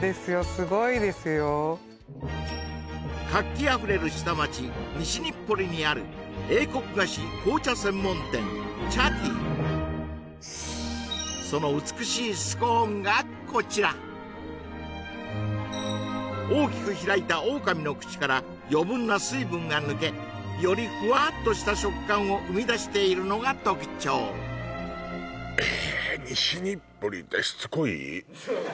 すごいですよ活気あふれる下町西日暮里にあるその美しいスコーンがこちら大きく開いたオオカミの口から余分な水分が抜けよりふわっとした食感を生み出しているのが特徴いえ